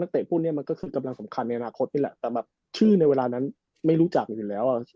เตะพวกนี้มันก็คือกำลังสำคัญในอนาคตนี่แหละแต่แบบชื่อในเวลานั้นไม่รู้จักอยู่แล้ว